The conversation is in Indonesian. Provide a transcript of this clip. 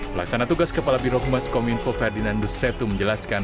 pelaksana tugas kepala birohmas komunikasi ferdinandus setu menjelaskan